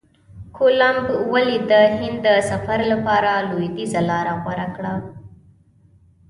کولمب ولي د هند د سفر لپاره لویدیځه لاره غوره کړه؟